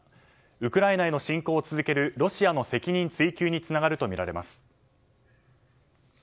ウクライナへの侵攻を続けるロシアの責任追及につながるとみられます。